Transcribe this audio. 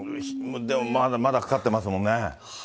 でもまだまだかかってますもんね。